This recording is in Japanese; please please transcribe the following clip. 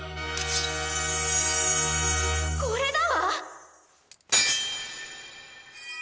これだわ！